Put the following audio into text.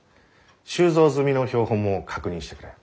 収蔵済みの標本も確認してくれ。